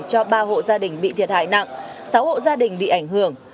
cho ba hộ gia đình bị thiệt hại nặng sáu hộ gia đình bị ảnh hưởng